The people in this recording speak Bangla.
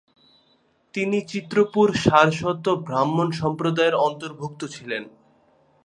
তিনি চিত্রপুর সারস্বত ব্রাহ্মণ সম্প্রদায়ের অন্তর্ভুক্ত ছিলেন।